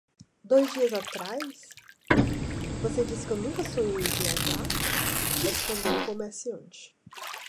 "Dois dias atrás? você disse que eu nunca sonhei em viajar?" respondeu o comerciante.